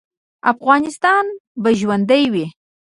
افغانستان به ژوندی وي